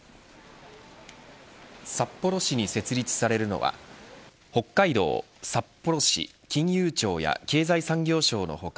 札幌市に設立されるのは北海道、札幌市金融庁や経済産業省の他